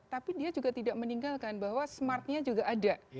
tapi dia juga tidak meninggalkan bahwa smartnya juga ada